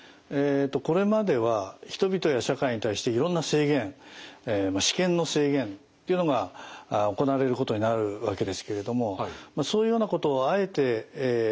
これまでは人々や社会に対していろんな制限私権の制限っていうのが行われることになるわけですけれどもそういうようなことをあえてしてでもですね